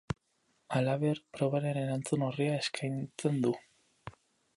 Halaber, probaren erantzun-orria eskaintzen du.